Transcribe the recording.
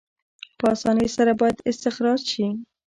په اسانۍ سره باید استخراج شي.